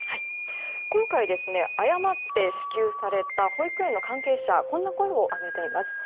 今回、誤って支給された保育園の関係者はこんな声を上げています。